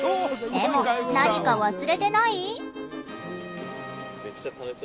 でも何か忘れてない？